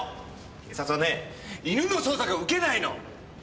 警察はね犬の捜索は受けないの。